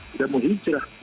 sudah mau hijrah